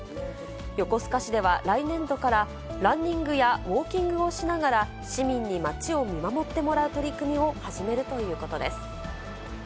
横須賀市では、来年度からランニングやウォーキングをしながら、市民に街を見守ってもらう取り組みを始めるということです。